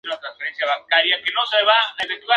Hicieron amistosos con distintos clubes.